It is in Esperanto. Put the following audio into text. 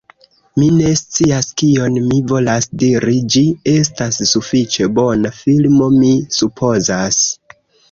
Mi ne scias kion mi volas diri ĝi estas sufiĉe bona filmo, mi supozas